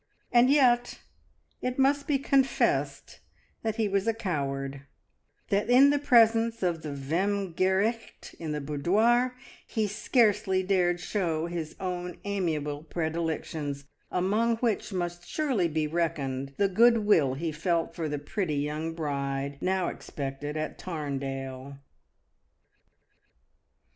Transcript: And yet it must be con fessed that he was a coward, that in the presence of the Vekmgertcht in the boudoir, he scarcely dared show his own amiable predilections, among which must surely be reckoned the good will he felt for the pretty young bride now expected at Tarndale.